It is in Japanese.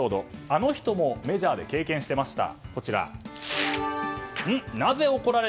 あの人もメジャーで経験していました。